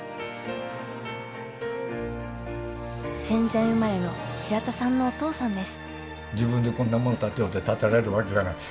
戦前生まれの平田さんのお父さんです。